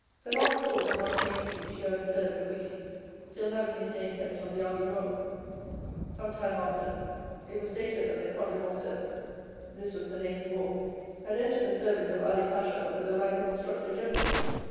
Fernand sought and obtained leave to go and serve in Greece, still having his name kept on the army roll. 0345m Some time after, it was stated that the Comte de Morcerf (this was the name he bore) had entered the service of Ali Pasha with the rank of instructor general.